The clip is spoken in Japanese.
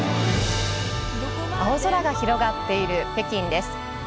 青空が広がっている北京です。